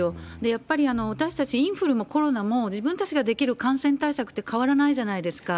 やっぱり私たち、インフルもコロナも、自分たちができる感染対策って変わらないじゃないですか。